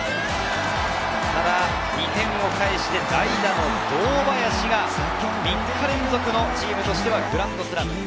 ただ２点を返して代打の堂林が、３日連続のチームとしてはグランドスラム。